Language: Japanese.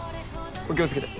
お気を付けて。